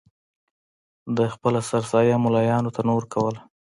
ده خپله سرسایه ملایانو ته نه ورکوله.